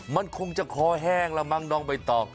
มันคงจะคอแห้งแล้วมั้งน้องใบตอง